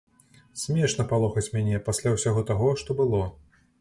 Смешна палохаць мяне, пасля ўсяго таго, што было.